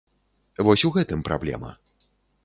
Вось у гэтым праблема.